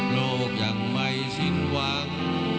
โลกยังไม่สิ้นหวัง